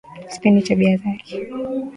Sipendi tabia zake